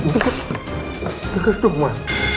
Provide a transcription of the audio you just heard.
dengar dong ma